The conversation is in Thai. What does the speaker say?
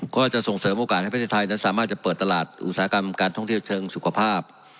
ก็จะส่งเสริมโอกาสให้ประเทศไทยนั้นสามารถจะเปิดตลาดอุตสาหกรรมการท่องเที่ยวเชิงสุขภาพ